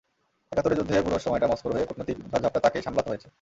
একাত্তরের যুদ্ধের পুরো সময়টা মস্কোর হয়ে কূটনৈতিক ঝড়ঝাপটা তাঁকেই সামলাতে হয়েছে।